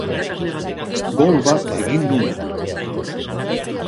Gol bat egin nuen.